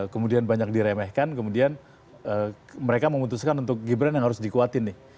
kemudian banyak diremehkan kemudian mereka memutuskan untuk gibran yang harus dikuatin nih